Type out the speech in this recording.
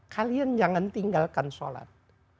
kalian jangan tinggalkan sholat